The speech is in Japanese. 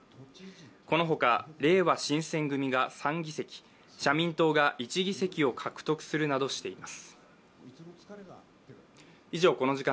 この他、れいわ新選組が３議席、社民党が１議席を獲得するなどしています。